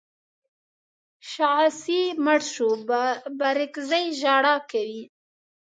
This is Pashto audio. شاغاسي مړ شو بارکزي ژړا کوي.